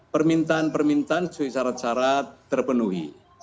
permintaan permintaan sesuai syarat syarat terpenuhi